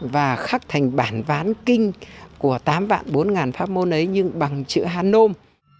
và khắc thành bản ván kinh của tám bốn trăm linh pháp môn ấy nhưng bằng chữ hàn nôm